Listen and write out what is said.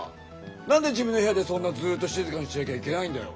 何で自分の部屋でそんなずっと静かにしてなきゃいけないんだよ。